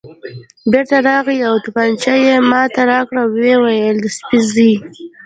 بېرته راغلی او تومانچه یې ما ته راکړل، ویې ویل: د سپي زوی.